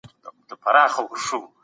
د سولي لپاره اخلاص د بریالیتوب کیلي ده.